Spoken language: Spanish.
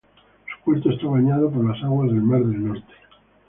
Su puerto está bañado por las aguas del Mar del Norte.